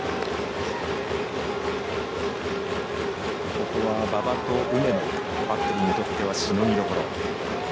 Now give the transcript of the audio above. ここは馬場と梅野バッテリーにとってはしのぎどころ。